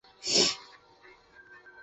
现任中国技术市场协会副会长。